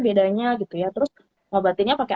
bedanya gitu ya terus ngobatinnya pakai